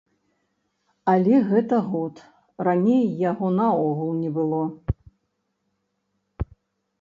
Але гэта год, раней яго наогул не было.